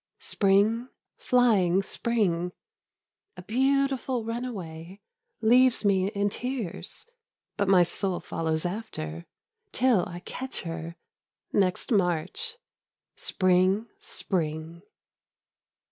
Spring, Flying Spring, A beautiful runaway, Leaves me in tears, But my soul follows after, Till I catch her. Next March. Spring, Spring